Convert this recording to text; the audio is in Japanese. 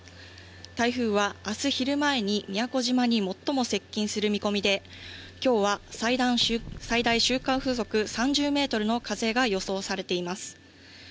台風はあす昼前に宮古島に最も接近する見込みで、きょうは最大瞬間風速３０メートルの風が予想されています。